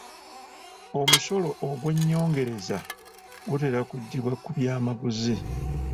Omusolo ogw'ennyongereza gutera kuggyibwa ku byamaguzi.